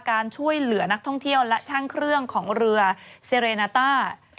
การช่วยเหลือนักท่องเที่ยวและช่างเครื่องของเรือเซเรนาต้า